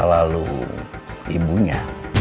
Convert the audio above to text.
soal lalu ibunya